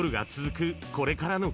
これからの季節］